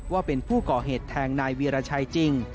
ว่าเป็นผู้ก่อเหตุแทงนายเวียรชัยจริง